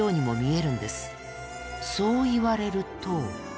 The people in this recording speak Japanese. そう言われると。